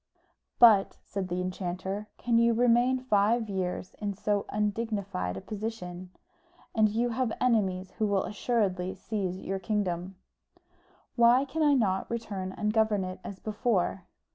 "But," said the enchanter, "can you remain five years in so undignified a position? And you have enemies who will assuredly seize on your kingdom." "Why can I not return and govern it as before?"